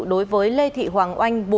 đối với lê thị hoàng oanh bốn mươi chín tuổi